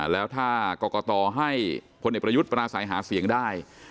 แล้วถ้ากรกตให้พลเอกประยุทธ์ปราศัยหาเสียงได้